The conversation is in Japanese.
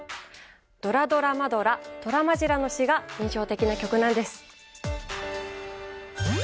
「ドラドラマドラトラマジラ」の詞が印象的な曲なんです！